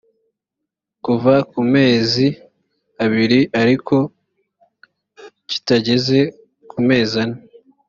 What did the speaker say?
kuva ku mezi abiri ariko kitageze ku mezi ane